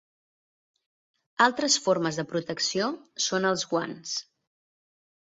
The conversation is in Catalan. Altres formes de protecció són els guants.